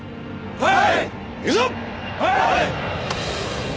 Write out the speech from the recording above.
はい！